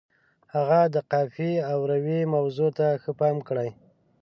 هغه د قافیې او روي موضوع ته ښه پام کړی.